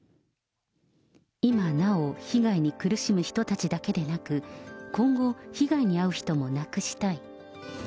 今なお被害に苦しむ人たちだけでなく、今後、被害に遭う人もなくしたい。